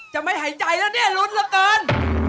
จะไม่หายใจแล้วเนี่ยหลุดซะเกิน